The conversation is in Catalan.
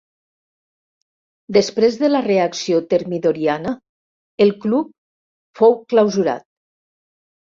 Després de la reacció Termidoriana, el club fou clausurat.